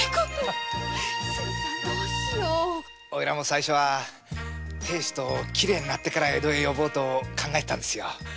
最初は亭主ときれいになってから江戸へ呼ぼうと考えたんです。